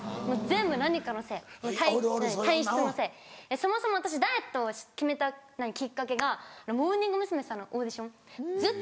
そもそも私ダイエットを決めたきっかけがモーニング娘。さんのオーディションずっと。